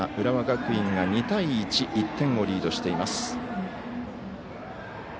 浦和学院が２対１１点をリードしています。